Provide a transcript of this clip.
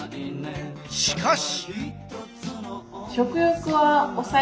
しかし。